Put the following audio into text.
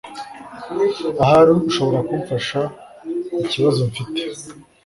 Ahari ushobora kumfasha kukibazo mfite.